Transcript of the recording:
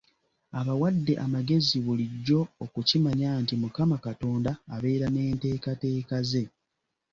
Abawadde amagezi bulijjo okukimanya nti mukama Katonda abeera n’enteekateeka ze.